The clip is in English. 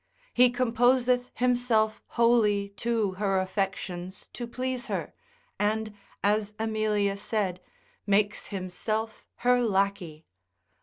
He composeth himself wholly to her affections to please her, and, as Aemelia said, makes himself her lackey.